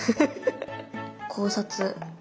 考察。